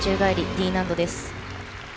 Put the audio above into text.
Ｄ難度です。